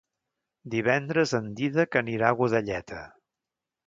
Divendres en Dídac anirà a Godelleta.